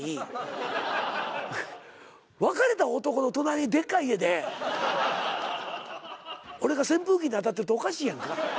別れた男の隣にでっかい家で俺が扇風機に当たってるとおかしいやんか。